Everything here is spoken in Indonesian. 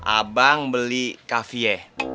abang beli kavieh